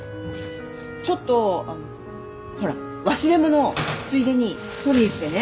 ちょっとあのほら忘れ物ついでに取りに来てね。